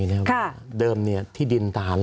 สวัสดีครับทุกคน